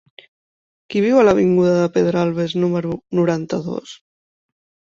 Qui viu a l'avinguda de Pedralbes número noranta-dos?